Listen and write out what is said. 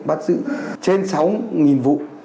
bắt giữ trên sáu vụ